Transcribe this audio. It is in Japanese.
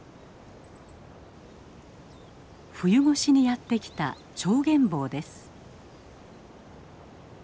冬越しにやって来たチョウゲンボウです。